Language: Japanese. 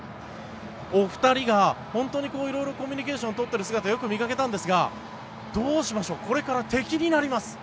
お二人が本当に色々コミュニケーションを取っている姿をよく見かけたんですがどうしましょうこれから敵になります。